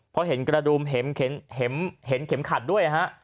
เพราะเห็นกระดูมเห็นเข็มขัดด้วยฮะ